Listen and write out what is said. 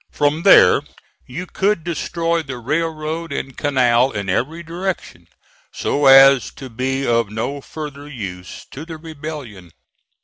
From there you could destroy the railroad and canal in every direction, so as to be of no further use to the rebellion.